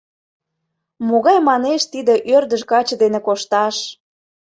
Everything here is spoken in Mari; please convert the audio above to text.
«Могай, манеш, тиде ӧрдыж каче дене кошташ.